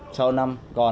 thuê sáu năm ạ